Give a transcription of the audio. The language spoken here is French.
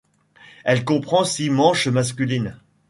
Elle comprend six manches masculines.